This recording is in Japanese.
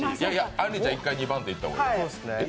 あんりちゃん、１回２番手いった方がいいよ。